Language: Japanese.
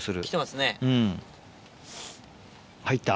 入った？